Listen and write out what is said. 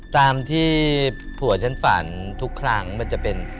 ตามที่ผัวฉันฝันทุกครั้งมันจะเป็น